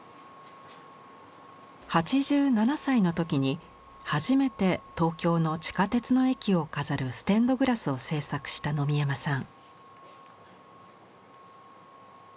８７歳の時に初めて東京の地下鉄の駅を飾るステンドグラスを制作した野見山さん。